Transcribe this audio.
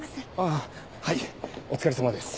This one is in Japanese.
あはいお疲れさまです。